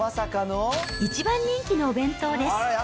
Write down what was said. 一番人気のお弁当です。